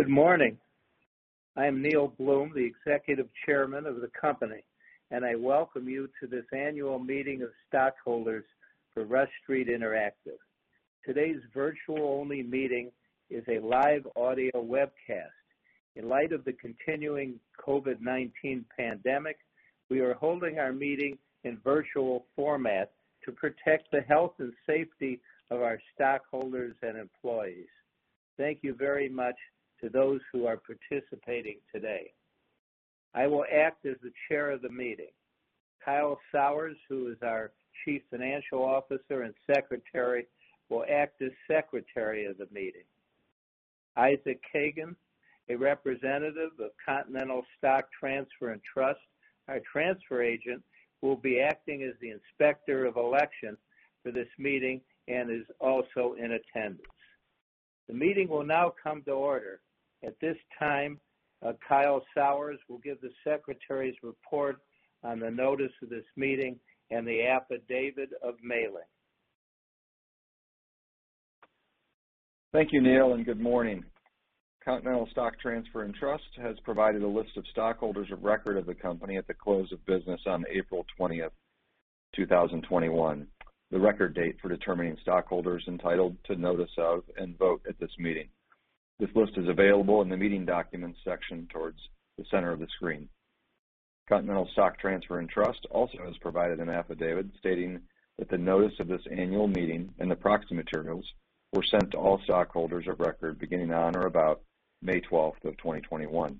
Good morning. I am Neil Bluhm, the Executive Chairman of the company, and I welcome you to this annual meeting of stockholders for Rush Street Interactive. Today's virtual only meeting is a live audio webcast. In light of the continuing COVID-19 pandemic, we are holding our meeting in virtual format to protect the health and safety of our stockholders and employees. Thank you very much to those who are participating today. I will act as the Chair of the meeting. Kyle Sauers, who is our Chief Financial Officer and Secretary, will act as Secretary of the meeting. Isaac Kagan, a representative of Continental Stock Transfer & Trust, our transfer agent, will be acting as the Inspector of Election for this meeting and is also in attendance. The meeting will now come to order. At this time, Kyle Sauers will give the Secretary's report on the notice of this meeting and the affidavit of mailing. Thank you, Neil, and good morning. Continental Stock Transfer & Trust has provided a list of stockholders of record of the company at the close of business on April 20, 2021, the record date for determining stockholders entitled to notice of and vote at this meeting. This list is available in the meeting documents section towards the center of the screen. Continental Stock Transfer & Trust also has provided an affidavit stating that the notice of this annual meeting and the proxy materials were sent to all stockholders of record beginning on or about May 12th of 2021.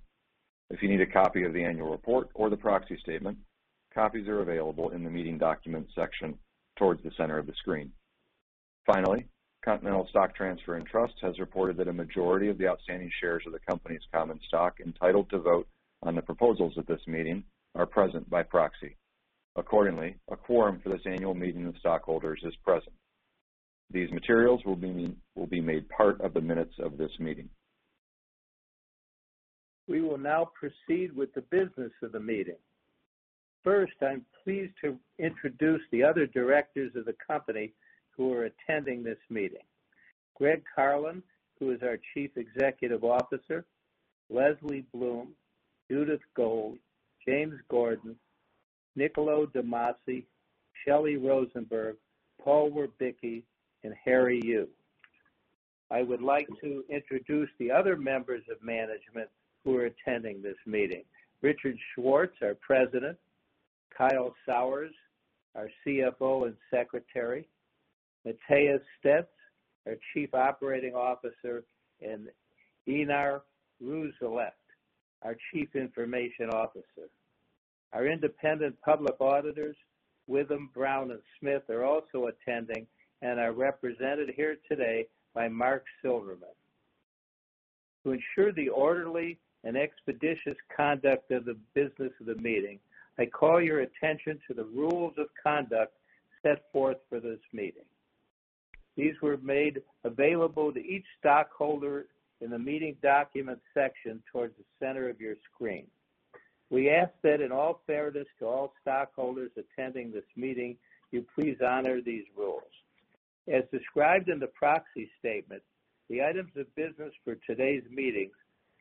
If you need a copy of the annual report or the proxy statement, copies are available in the meeting documents section towards the center of the screen. Finally, Continental Stock Transfer & Trust has reported that a majority of the outstanding shares of the company's common stock entitled to vote on the proposals of this meeting are present by proxy. Accordingly, a quorum for this annual meeting of stockholders is present. These materials will be made part of the minutes of this meeting. We will now proceed with the business of the meeting. First, I'm pleased to introduce the other directors of the company who are attending this meeting: Greg Carlin, who is our Chief Executive Officer, Leslie Bluhm, Judith Gold, James Gordon, Niccolo De Masi, Shelly Rosenberg, Paul Werbicki, and Harry Yu. I would like to introduce the other members of management who are attending this meeting: Richard Schwartz, our President, Kyle Sauers, our Chief Financial Officer and Secretary, Matthias Stenz, our Chief Operating Officer, and Einar Rousseleht, our Chief Information Officer. Our independent public auditors, Withum, Brown and Smith, are also attending and are represented here today by Mark Silverman. To ensure the orderly and expeditious conduct of the business of the meeting, I call your attention to the rules of conduct set forth for this meeting. These were made available to each stockholder in the meeting documents section towards the center of your screen. We ask that in all fairness to all stockholders attending this meeting, you please honor these rules. As described in the proxy statements, the items of business for today's meeting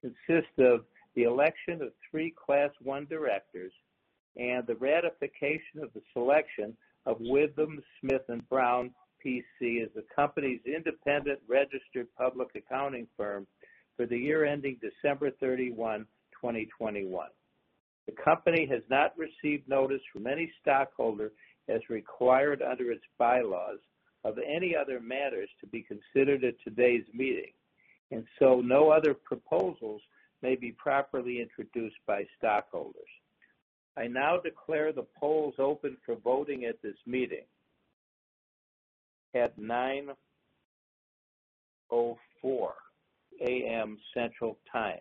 consist of the election of three Class 1 directors and the ratification of the selection of Withum, Smith & Brown PC as the company's independent registered public accounting firm for the year ending December 31, 2021. The company has not received notice from any stockholders as required under its bylaws of any other matters to be considered at today's meeting, and so no other proposals may be properly introduced by stockholders. I now declare the polls open for voting at this meeting at 9:04 A.M. Central Time.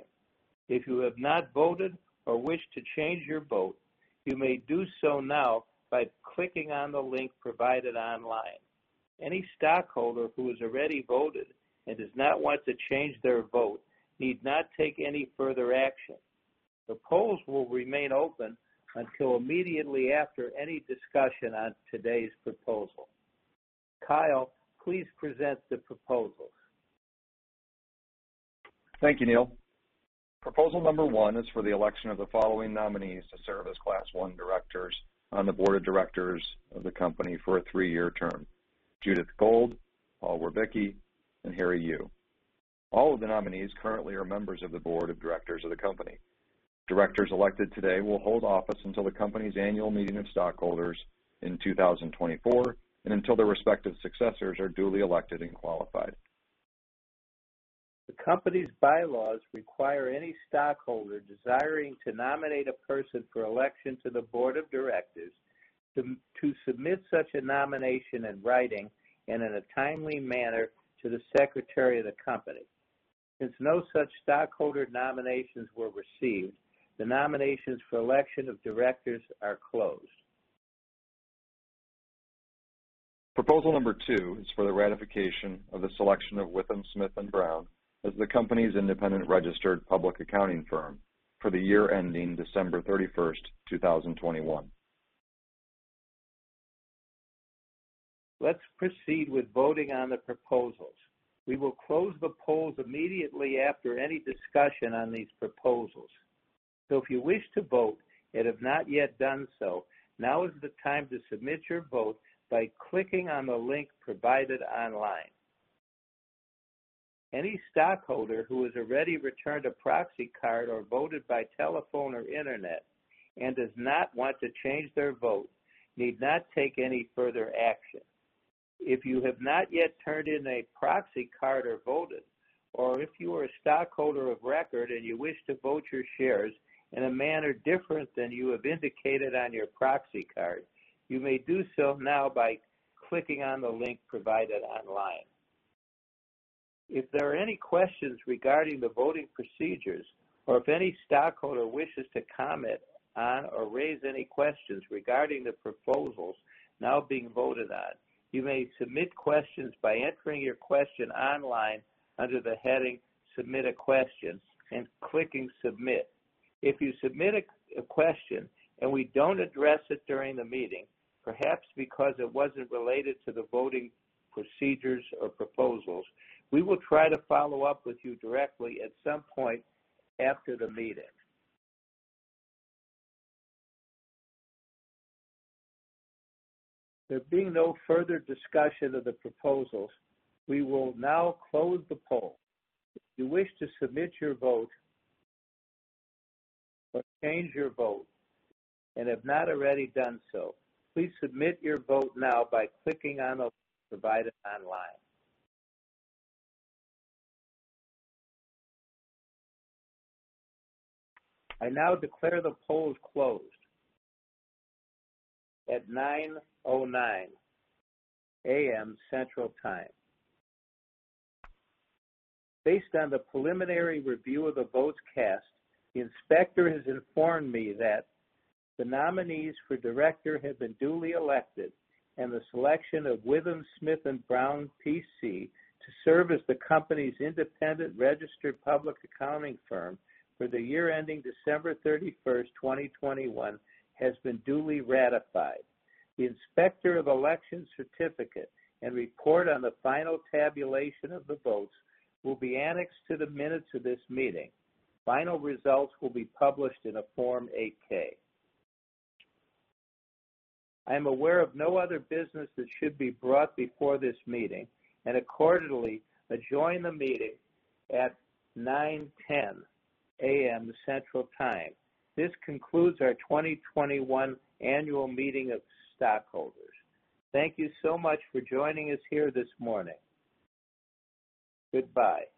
If you have not voted or wish to change your vote, you may do so now by clicking on the link provided online. Any stockholder who has already voted and does not want to change their vote need not take any further action. The polls will remain open until immediately after any discussion on today's proposal. Kyle, please present the proposals. Thank you, Neil. Proposal number one is for the election of the following nominees to serve as Class 1 directors on the board of directors of the company for a three-year term: Judith Gold, Paul Werbicki, and Harry Yu. All of the nominees currently are members of the board of directors of the company. Directors elected today will hold office until the company's annual meeting of stockholders in 2024 and until their respective successors are duly elected and qualified. The company's bylaws require any stockholder desiring to nominate a person for election to the board of directors to submit such a nomination in writing and in a timely manner to the Secretary of the company. Since no such stockholder nominations were received, the nominations for election of directors are closed. Proposal number two is for the ratification of the selection of Withum, Smith & Brown as the company's independent registered public accounting firm for the year ending December 31st, 2021. Let's proceed with voting on the proposals. We will close the polls immediately after any discussion on these proposals. If you wish to vote and have not yet done so, now is the time to submit your vote by clicking on the link provided online. Any stockholder who has already returned a proxy card or voted by telephone or internet and does not want to change their vote need not take any further action. If you have not yet turned in a proxy card or voted, or if you are a stockholder of record and you wish to vote your shares in a manner different than you have indicated on your proxy card, you may do so now by clicking on the link provided online. If there are any questions regarding the voting procedures or if any stockholder wishes to comment on or raise any questions regarding the proposals now being voted on, you may submit questions by entering your question online under the heading "Submit a Question" and clicking "Submit." If you submit a question and we don't address it during the meeting, perhaps because it wasn't related to the voting procedures or proposals, we will try to follow up with you directly at some point after the meeting. There being no further discussion of the proposals, we will now close the poll. If you wish to submit your vote or change your vote and have not already done so, please submit your vote now by clicking on the link provided online. I now declare the polls closed at 9:09 A.M. Central Time. Based on the preliminary review of the votes cast, the inspector has informed me that the nominees for director have been duly elected and the selection of Withum, Smith & Brown PC to serve as the company's independent registered public accounting firm for the year ending December 31st, 2021, has been duly ratified. The inspector of election certificate and report on the final tabulation of the votes will be annexed to the minutes of this meeting. Final results will be published in a Form 8-K. I am aware of no other business that should be brought before this meeting, and accordingly, adjourn the meeting at 9:10 A.M. Central Time. This concludes our 2021 annual meeting of stockholders. Thank you so much for joining us here this morning. Goodbye.